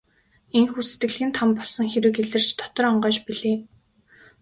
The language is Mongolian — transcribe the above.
Ийнхүү сэтгэлийн там болсон хэрэг илэрч дотор онгойж билээ.